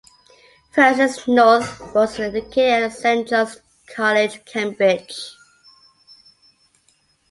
Francis North was educated at Saint John's College, Cambridge.